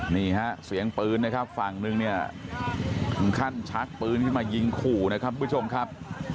นี่ฮะเสียงปืนนะครับฝั่งนึงเนี่ยถึงขั้นชักปืนขึ้นมายิงขู่นะครับทุกผู้ชมครับ